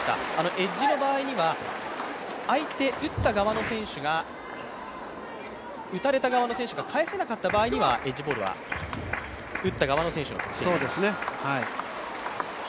エッジの場合には打たれた側の選手が返せなかった場合は、エッジボールは打った側の選手の得点になります。